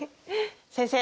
先生！